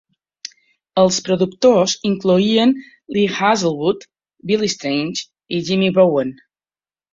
Els productors incloïen Lee Hazlewood, Billy Strange i Jimmy Bowen.